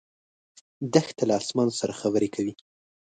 دښته له اسمان سره خبرې کوي.